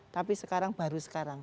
tapi sekarang baru sekarang